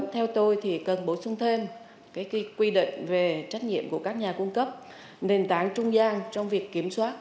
theo tôi thì cần bổ sung thêm quy định về trách nhiệm của các nhà cung cấp nền tảng trung gian trong việc kiểm soát